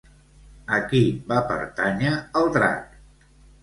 A qui va pertànyer el Drac?